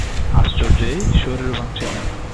আশ্চর্য এই, শরীরও ভাঙছে না।